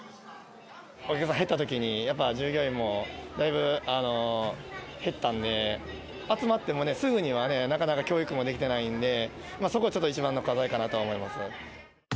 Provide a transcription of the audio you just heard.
お客さん減ったときに、やっぱり従業員もだいぶ減ったんで、集まってもね、すぐにはなかなか教育もできてないんで、そこがちょっと一番の課題かなとは思います。